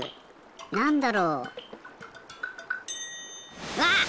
なんだろう？うわ！